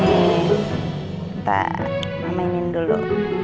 kita mainin dulu